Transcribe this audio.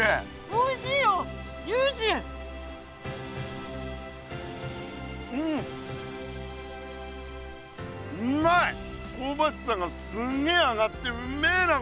こうばしさがすんげえ上がってうんめえな！